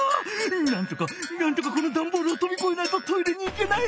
なんとかなんとかこのダンボールをとびこえないとトイレに行けない！